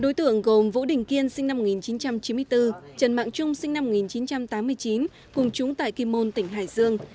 bốn đối tượng gồm vũ đình kiên sinh năm một nghìn chín trăm chín mươi bốn trần mạng trung sinh năm một nghìn chín trăm tám mươi chín cùng chúng tại kim môn tỉnh hải dương